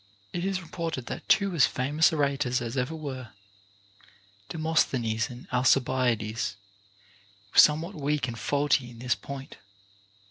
It is reported that two as famous orators as ever were, Demosthenes and Alcibiades, were somewhat weak and faulty in this point.